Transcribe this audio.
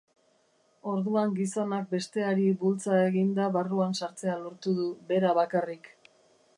Orduan gizonak besteari bultza eginda barruan sartzea lortu du, bera bakarrik.